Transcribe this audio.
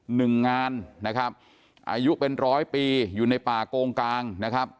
หนึ่งงานนะครับอายุเป็นร้อยปีอยู่ในป่าโกงกลางนะครับ